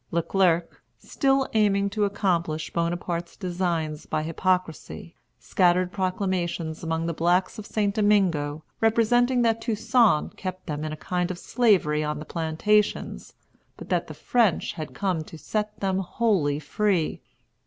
Le Clerc, still aiming to accomplish Bonaparte's designs by hypocrisy, scattered proclamations among the blacks of St. Domingo, representing that Toussaint kept them in a kind of Slavery on the plantations, but that the French had come to set them wholly free.